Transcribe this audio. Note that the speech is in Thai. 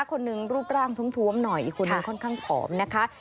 คนหนึ่งรูปร่างท้วมหน่อยอีกคนนึงค่อนข้างผอมนะคะ